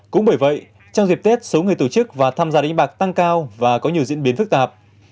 cũng bởi vậy trong dịp tết số người tổ chức và tham gia đánh bạc tăng cao và có nhiều diễn biến phức tạp